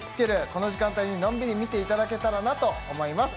この時間帯にのんびり見ていただけたらと思います。